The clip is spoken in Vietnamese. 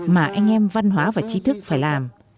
mà anh em văn hóa và trí thức phải làm